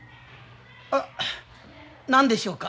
あ何でしょうか？